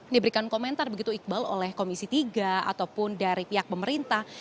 diberikan komentar begitu iqbal oleh komisi tiga ataupun dari pihak pemerintah